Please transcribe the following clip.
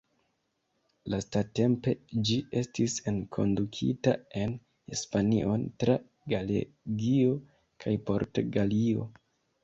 Lastatempe ĝi estis enkondukita en Hispanion tra Galegio kaj Portugalio.